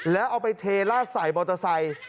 แล้วเอาไปเทราดใส่มอเตอร์ไซค์